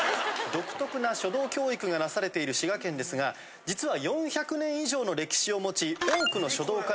独特な書道教育がなされている滋賀県ですが実は。